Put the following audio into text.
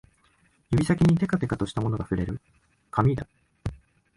指先にてかてかとしたものが触れる、紙だ